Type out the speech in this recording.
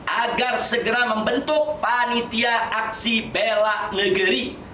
agar segera membentuk panitia aksi bela negeri